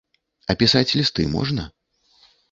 А пісаць лісты можна?